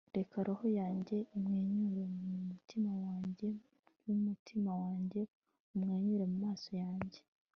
reka roho yanjye imwenyure mu mutima wanjye n'umutima wanjye umwenyure mu maso yanjye